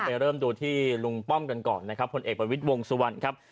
ไปเริ่มดูที่ลุงป้อมกันก่อนนะครับคนเอกบริวิธีวงศ์สวรรค์ครับ